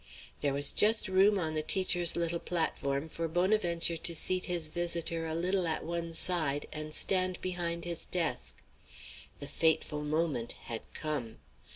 There was just room on the teacher's little platform for Bonaventure to seat his visitor a little at one side and stand behind his desk. The fateful moment had come.